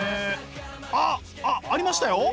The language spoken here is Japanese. あっありましたよ！